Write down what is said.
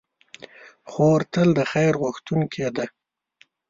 خور تل د خیر غوښتونکې ده.